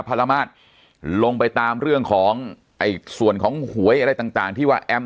พระรมาศลงไปตามเรื่องของไอ้ส่วนของหวยอะไรต่างต่างที่ว่าแอม